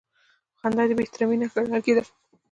خندا د بېاحترامۍ نښه ګڼل کېده.